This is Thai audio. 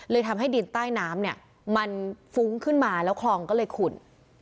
ทำให้ดินใต้น้ำเนี่ยมันฟุ้งขึ้นมาแล้วคลองก็เลยขุ่น